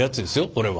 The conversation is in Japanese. これは。